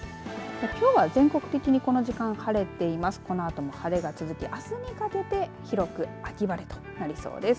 きょうは全国的にこの時間晴れています、このあとも晴れが続きあすにかけて広く秋晴れとなりそうです。